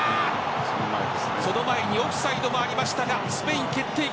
その前にオフサイドもありましたがスペイン、決定機